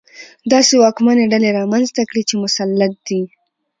داسې واکمنې ډلې رامنځته کړي چې مسلط دي.